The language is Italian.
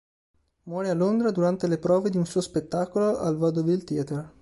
Muore a Londra durante le prove di un suo spettacolo al Vaudeville Theatre.